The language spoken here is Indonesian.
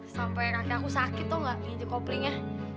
sampai kakek aku sakit tahu nggak pengece koplingnya